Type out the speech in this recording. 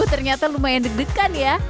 ternyata lumayan deg degan ya